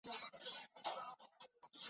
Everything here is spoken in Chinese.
补好衣服的破洞